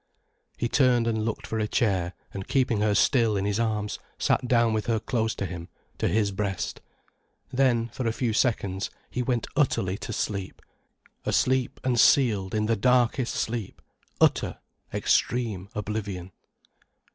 He turned and looked for a chair, and keeping her still in his arms, sat down with her close to him, to his breast. Then, for a few seconds, he went utterly to sleep, asleep and sealed in the darkest sleep, utter, extreme oblivion.